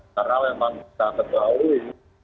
karena memang kita ketahui